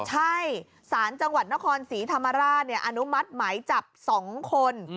ใช่ศาลจังหวัดนครศรีธรรมราชอนุมัติหมายจับ๒คน